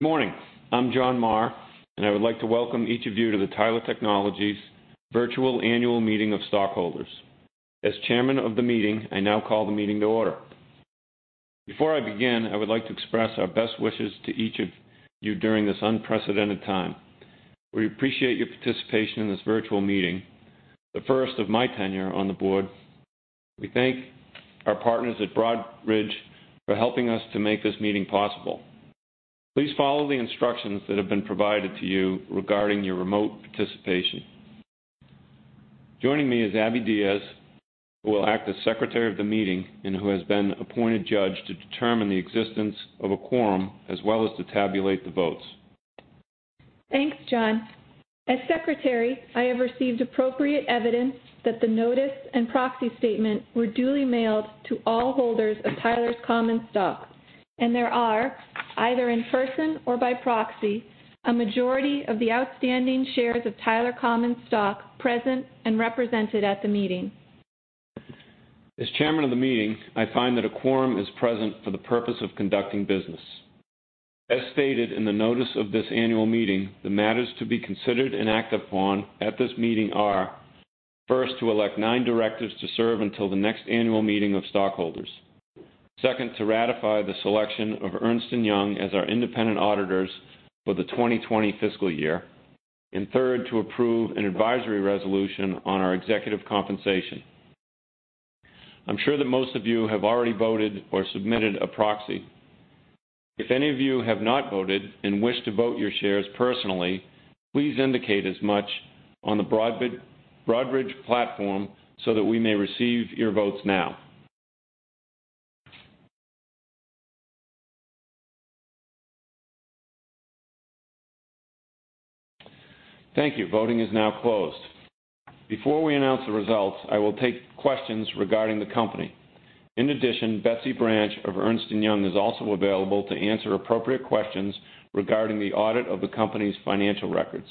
Good morning. I'm John Marr, and I would like to welcome each of you to the Tyler Technologies Virtual Annual Meeting of Stockholders. As chairman of the meeting, I now call the meeting to order. Before I begin, I would like to express our best wishes to each of you during this unprecedented time. We appreciate your participation in this virtual meeting, the first of my tenure on the board. We thank our partners at Broadridge for helping us to make this meeting possible. Please follow the instructions that have been provided to you regarding your remote participation. Joining me is Abby Diaz, who will act as secretary of the meeting and who has been appointed judge to determine the existence of a quorum as well as to tabulate the votes. Thanks, John. As secretary, I have received appropriate evidence that the notice and proxy statement were duly mailed to all holders of Tyler's common stock, and there are, either in person or by proxy, a majority of the outstanding shares of Tyler common stock present and represented at the meeting. As chairman of the meeting, I find that a quorum is present for the purpose of conducting business. As stated in the notice of this annual meeting, the matters to be considered and acted upon at this meeting are, first, to elect nine directors to serve until the next annual meeting of stockholders. Second, to ratify the selection of Ernst & Young as our independent auditors for the 2020 fiscal year. Third, to approve an advisory resolution on our executive compensation. I'm sure that most of you have already voted or submitted a proxy. If any of you have not voted and wish to vote your shares personally, please indicate as much on the Broadridge platform so that we may receive your votes now. Thank you. Voting is now closed. Before we announce the results, I will take questions regarding the company. In addition, Betsy Branch of Ernst & Young is also available to answer appropriate questions regarding the audit of the company's financial records.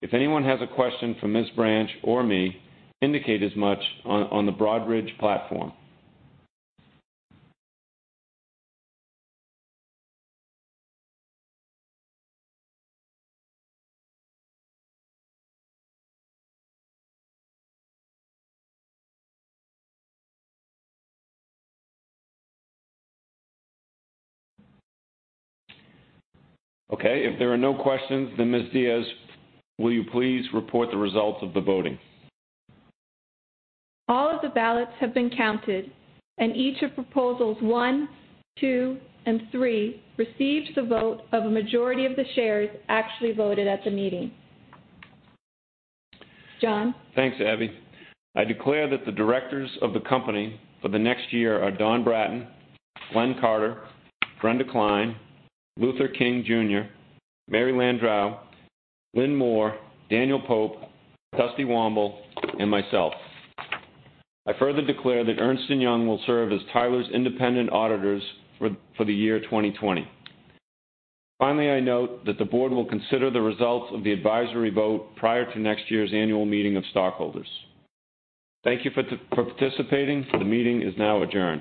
If anyone has a question for Ms. Branch or me, indicate as much on the Broadridge platform. Okay. If there are no questions, then Ms. Diaz, will you please report the results of the voting? All of the ballots have been counted, and each of proposals one, two, and three received the vote of a majority of the shares actually voted at the meeting. John? Thanks, Abby. I declare that the directors of the company for the next year are Don Brattain, Glenn Carter, Brenda Cline, Luther King Jr., Mary Landrieu, Lynn Moore, Daniel Pope, Dusty Womble, and myself. I further declare that Ernst & Young will serve as Tyler's independent auditors for the year 2020. Finally, I note that the board will consider the results of the advisory vote prior to next year's annual meeting of stockholders. Thank you for participating. The meeting is now adjourned.